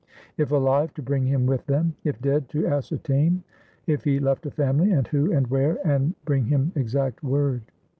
If alive, to bring him with them. If dead, to ascertain if he left a family; and who, and where; and bring him exact word.